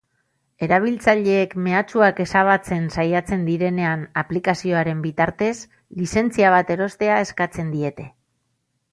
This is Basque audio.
Erabiltzaileek mehatxuak ezabatzen saiatzen direnean aplikazioaren bitartez, lizentzia bat erostea eskatzen diete.